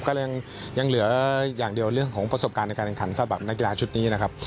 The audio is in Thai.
ก็ยังเหลืออย่างเดียวเรื่องของประสบการณ์ในการแข่งขันสำหรับนักกีฬาชุดนี้นะครับ